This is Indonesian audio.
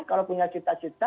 kalau punya cita cita